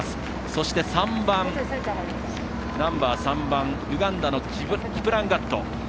そして、ナンバー３のウガンダのキプランガット。